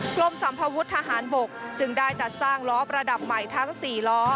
กรมสัมภวุฒิทหารบกจึงได้จัดสร้างล้อประดับใหม่ทั้ง๔ล้อ